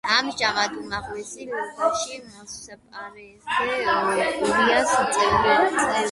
ამჟამად უმაღლესი ლიგაში მოასპარეზე გურიას წევრია.